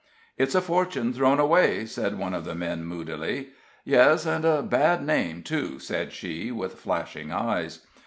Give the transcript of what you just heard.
"It's a fortune thrown away," said one of the men, moodily. "Yes, and a bad name, too," said she, with flashing eyes.